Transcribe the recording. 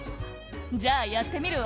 「じゃあやってみるわ」